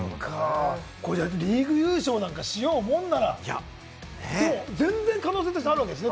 リーグ優勝なんかしようものなら、全然、可能性としてあるわけでしょ？